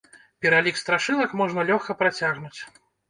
Пералік страшылак можна лёгка працягнуць.